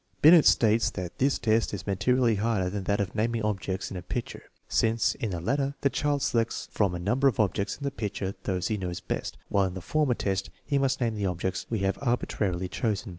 Binet states that this test is materially harder than that of naming objects in a TEST NO. m, 3 145 picture, since in the latter the child selects from a number of objects in the picture those he knows best, while in the former test he must name the objects we have arbitrarily chosen.